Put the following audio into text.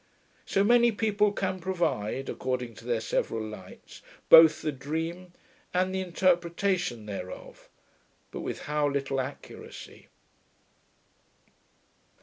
So many people can provide, according to their several lights, both the dream and the interpretation thereof, but with how little accuracy!